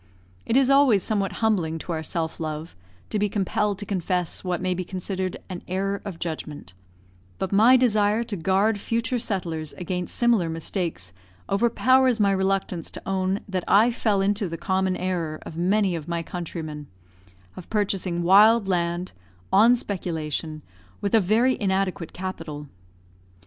It is always somewhat humbling to our self love to be compelled to confess what may be considered an error of judgment, but my desire to guard future settlers against similar mistakes overpowers my reluctance to own that I fell into the common error of many of my countrymen, of purchasing wild land, on speculation, with a very inadequate capital.